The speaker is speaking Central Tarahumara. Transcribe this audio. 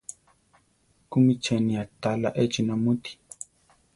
¿Kúmi cheni aʼtalá échi namúti?